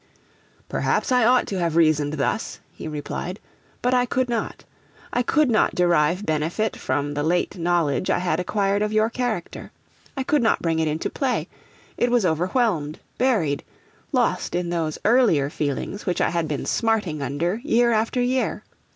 'Perhaps I ought to have reasoned thus,' he replied; 'but I could not. I could not derive benefit from the late knowledge I had acquired of your character. I could not bring it into play; it was overwhelmed, buried, lost in those earlier feelings which I had been smarting under year after year.